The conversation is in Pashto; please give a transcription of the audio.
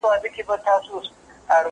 مکتب خلاص کړه؟